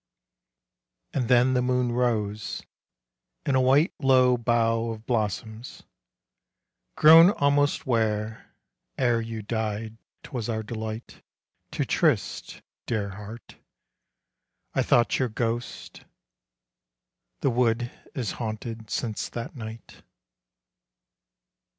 And then the moon rose; and a white Low bough of blossoms grown almost Where, ere you died, 'twas our delight To tryst, dear heart! I thought your ghost.... The wood is haunted since that night.